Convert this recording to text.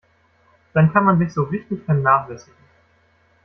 Dann kann man sich so richtig vernachlässigen.